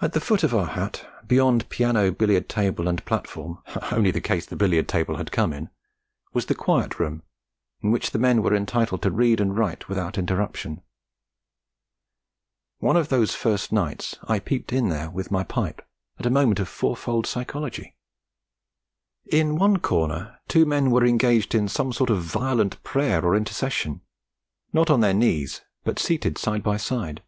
At the foot of our hut, beyond piano, billiard table, and platform (only the case the billiard table had come in), was the Quiet Room in which the men were entitled to read and write without interruption. One of those first nights I peeped in there with my pipe, at a moment of fourfold psychology. In one corner two men were engaged in some form of violent prayer or intercession; not on their knees, but seated side by side.